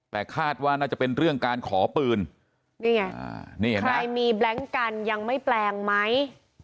แต่คาดว่าน่าจะเป็นเรื่องการขอปืนนี่ไงนี่เห็นไหมใครมีแบล็งกันยังไม่แปลงไหม